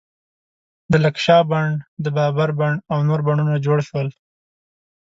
د لکشا بڼ، د بابر بڼ او نور بڼونه جوړ شول.